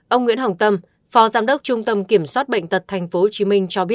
ông nguyễn hồng tâm phó giám đốc trung tâm kiểm soát bệnh tật tp hcm